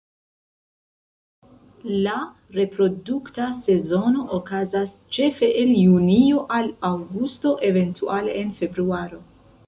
La reprodukta sezono okazas ĉefe el junio al aŭgusto, eventuale en februaro.